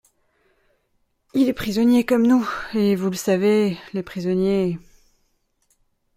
Il est prisonnier comme nous, et, vous le savez, les prisonniers…